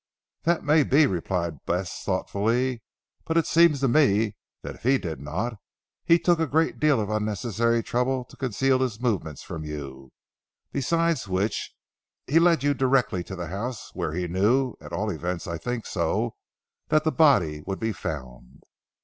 "That may be," replied Bess thoughtfully, "but it seems to me that if he did not, he took a great deal of unnecessary trouble to conceal his movements from you. Besides which, he led you directly to the house, where he knew at all events I think so that the body would be found."